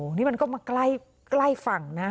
นี่มันก็มาใกล้ฝั่งนะ